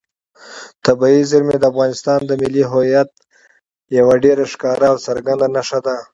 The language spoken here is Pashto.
طبیعي زیرمې د افغانستان د ملي هویت یوه ډېره ښکاره او څرګنده نښه ده.